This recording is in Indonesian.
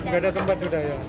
gak ada tempat